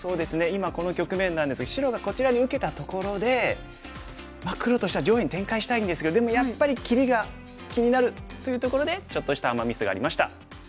今この局面なんですが白がこちらに受けたところで黒としては上辺に展開したいんですけどでもやっぱり切りが気になるというところでちょっとしたアマ・ミスがありました。